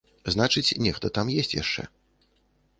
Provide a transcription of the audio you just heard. Значыць, нехта там ёсць яшчэ.